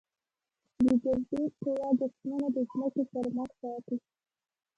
د جاذبې قوه جسمونه د ځمکې پر مخ ساتي.